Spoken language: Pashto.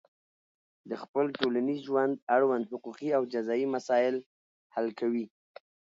د خپل ټولنیز ژوند اړوند حقوقي او جزایي مسایل حل کوي.